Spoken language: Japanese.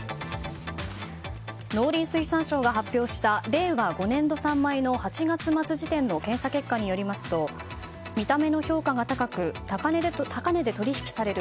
農林水産省が発表した令和５年度産米の８月末時点の検査結果によりますと見た目の評価が高く高値で取り引きされる